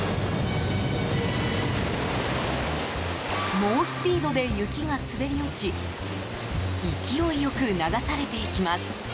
猛スピードで雪が滑り落ち勢いよく流されていきます。